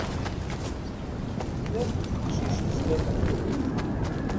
Tban-d teqcict sdat-i.